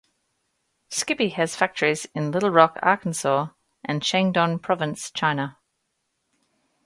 Skippy has factories in Little Rock, Arkansas and Shandong Province, China.